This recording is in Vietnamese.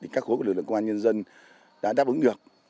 các khối của lực lượng công an nhân dân đã đáp ứng được